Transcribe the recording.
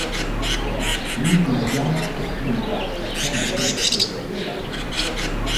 L'ultimo piano costituiva la zona di vedetta e difesa.